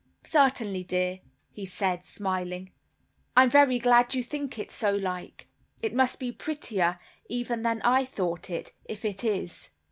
"Certainly, dear," said he, smiling, "I'm very glad you think it so like. It must be prettier even than I thought it, if it is."